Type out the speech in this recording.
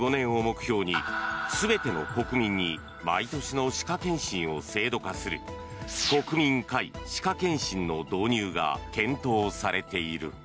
現在、２０２５年を目標に全ての国民に毎年の歯科検診を制度化する国民皆歯科検診の導入が検討されている。